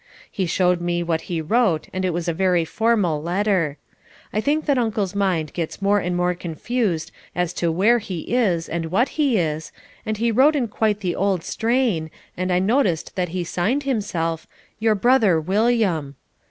He showed me what he wrote and it was a very formal letter. I think that Uncle's mind gets more and more confused as to where he is and what he is and he wrote in quite the old strain and I noticed that he signed himself, "Your brother, William."